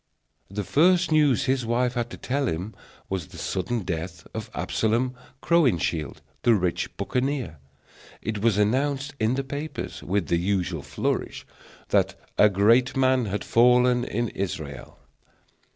The first news his wife had to tell him was the sudden death of Absalom Crowninshield, the rich buccaneer. It was announced in the papers, with the usual flourish, that "A great man had fallen in Israel."